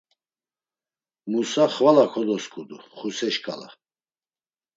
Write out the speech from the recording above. Musa xvala kodosǩudu Xuse şǩala.